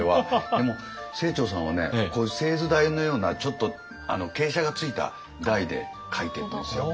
でも清張さんはねこういう製図台のようなちょっと傾斜がついた台で書いてるんですよ。